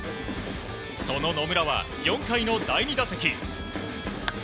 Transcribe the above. その野村は４回の第２打席。